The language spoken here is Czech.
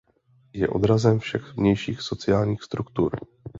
Je odrazem všech vnějších sociálních struktur.